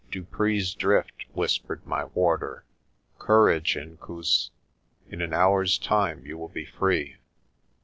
"Dupree's Drift," whispered my warder. "Courage, In koosj in an hour's time you will be free."